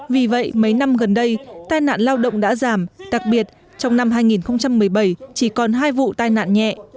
vì vậy mấy năm gần đây tai nạn lao động đã giảm đặc biệt trong năm hai nghìn một mươi bảy chỉ còn hai vụ tai nạn nhẹ